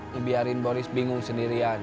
ngebiarin boris bingung sendirian